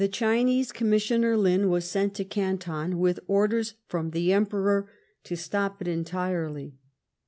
Obineae Commissioner Lin was sent to Canton with Ofders from the Emperor to stop it entirely.